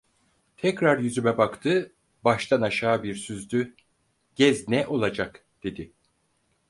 Tekrar yüzüme baktı, baştan aşağı bir süzdü: "Gez, ne olacak!" dedi.